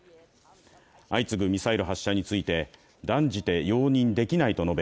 相次ぐミサイル発射について断じて容認できないと述べ